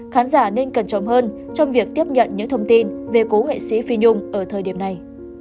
khán giả nên cẩn trọng hơn trong việc tiếp nhận những thông tin về cố nghệ sĩ phi nhung ở thời điểm này